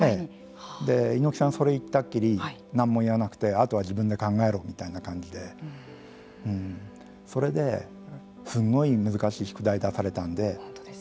猪木さん、それを言ったきり何も言わなくてあとは自分で考えろみたいな感じでそれで、すごい難しい宿題を本当ですね。